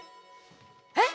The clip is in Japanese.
えっ！